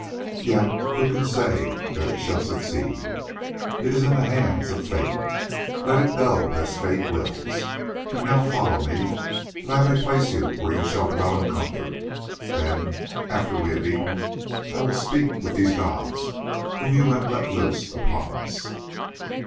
Yet who can say that it shall succeed? It is in the hands of fate, let it go as fate wills. And now follow me, that I may place you where you shall dwell in comfort, then after we have eaten I will speak with these gods whom you have let loose upon us."